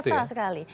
tuh nyata sekali